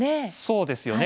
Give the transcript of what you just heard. そうですよね。